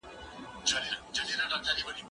هره لښته به مو آس کړ